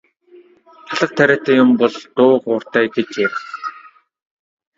Талх тариатай бол дуу хууртай гэж ярих.